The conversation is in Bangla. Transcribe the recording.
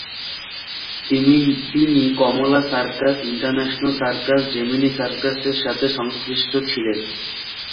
তিনি Kamala circus, international circus, Gemini সার্কাসের সাথে সংশ্লিষ্ট ছিলেন।